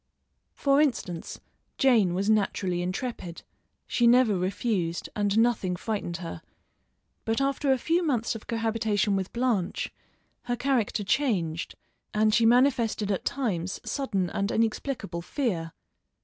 For instance, Jane was naturally intrepid; she never refused, and nothing frightened her, but after a few months of cohabitation with Blanche her character changed and she manifested at times sudden and inexplicable fear.